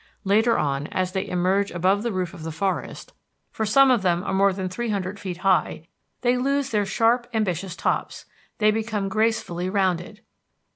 Later on, as they emerge above the roof of the forest, for some of them are more than three hundred feet high, they lose their sharp ambitious tops; they become gracefully rounded.